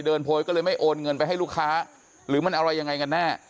โพยก็เลยไม่โอนเงินไปให้ลูกค้าหรือมันอะไรยังไงกันแน่